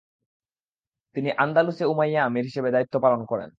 তিনি আন্দালুসে উমাইয়া আমির হিসেবে দায়িত্বপালন করেন।